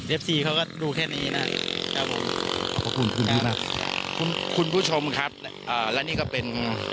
เอฟซีเขาก็ดูแค่นี้นะขอบคุณคุณครับคุณคุณผู้ชมครับอ่าแล้วนี่ก็เป็น